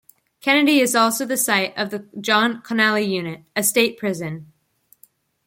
Kenedy is also the site of the John Connally Unit, a state prison.